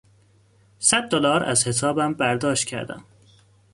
صد دلار از حسابم برداشت کردم.